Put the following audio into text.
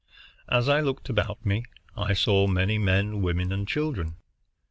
As I looked about me I saw many men, women, and children.